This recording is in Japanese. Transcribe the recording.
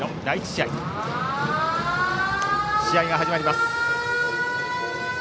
試合が始まりました。